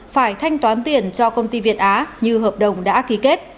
phải thanh toán tiền cho công ty việt á như hợp đồng đã ký kết